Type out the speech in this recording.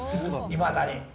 いまだに。